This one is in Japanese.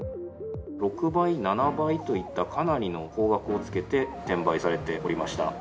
６倍、７倍といった、かなりの高額をつけて、転売されておりました。